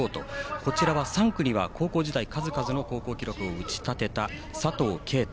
こちらは３区に高校時代数々の高校記録を打ち立てた佐藤圭汰